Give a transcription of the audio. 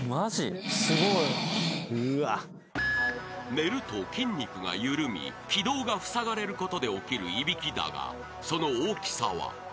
［寝ると筋肉が緩み気道がふさがれることで起きるいびきだがその大きさは］